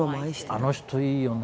あの人いいよね。